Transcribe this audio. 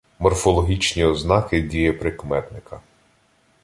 Морфологічні ознаки дієприкметника